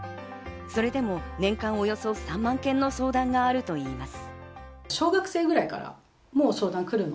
それでも年間およそ３万件の相談があるといいます。